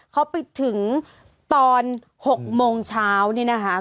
เขาไปถึงตอน๖๐๐มนี้นะคะ